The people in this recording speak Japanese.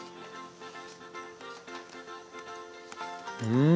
うん！